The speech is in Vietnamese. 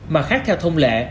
mà khác theo thông lệ